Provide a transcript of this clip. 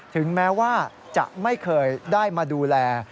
ถึงแม้ว่าจะไม่เคยได้มาดูแล